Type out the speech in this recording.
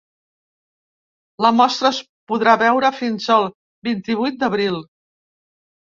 La mostra es podrà veure fins al vint-i-vuit d’abril.